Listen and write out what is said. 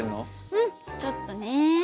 うんちょっとね。